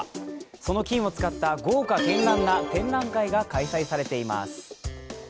その金を使った豪華けんらんな展覧会が開催されています。